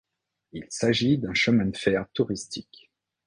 Il s'agit d'un chemin de fer touristique.